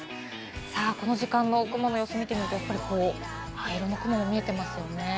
この時間の雲の様子見てみると、やっぱり灰色の雲も見えていますよね。